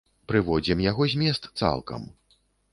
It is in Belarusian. Прыводзім яго змест цалкам.